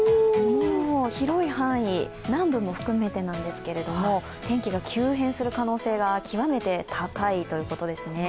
広い範囲、南部も含めてですけれども、天気が急変する可能性が極めて高いということですね。